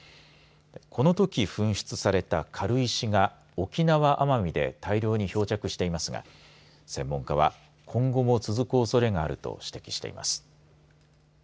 このとき噴出された軽石が沖縄・奄美で大量に漂着していますが専門家は今後も続くおそれがあると指摘しています。